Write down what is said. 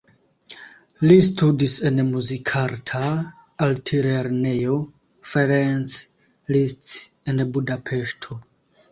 Li studis en Muzikarta Altlernejo Ferenc Liszt en Budapeŝto.